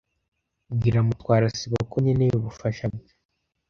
Bwira Mutwara sibo ko nkeneye ubufasha bwe.